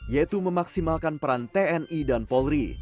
yaitu memaksimalkan peran tni dan polri